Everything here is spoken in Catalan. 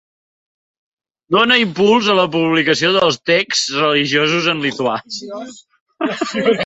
Donà impuls a la publicació dels texts religiosos en lituà.